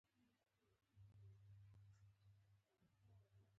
تنخواوې یې ضروري بدل نه وو.